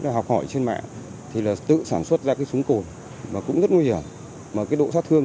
là học hỏi trên mạng thì là tự sản xuất ra cái súng cột mà cũng rất nguy hiểm mà cái độ sát thương